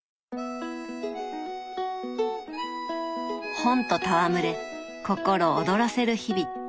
本と戯れ心躍らせる日々。